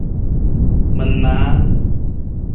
Manaa.